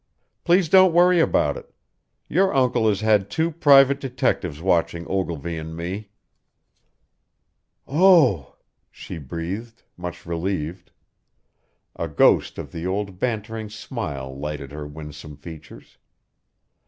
Please don't worry about it. Your uncle has had two private detectives watching Ogilvy and me." "Oh!" she breathed, much relieved. A ghost of the old bantering smile lighted her winsome features.